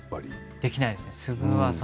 できないですね。